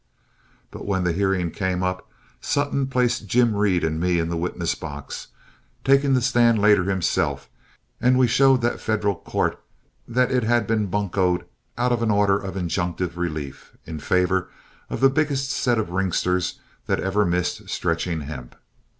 But when the hearing came up, Sutton placed Jim Reed and me in the witness box, taking the stand later himself, and we showed that federal court that it had been buncoed out of an order of injunctive relief, in favor of the biggest set of ringsters that ever missed stretching hemp.